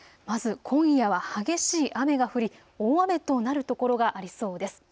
まず今夜は激しい雨が降り大雨となる所がありそうです。